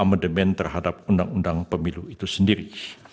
amandemen terhadap undang undang pemilu itu sendiri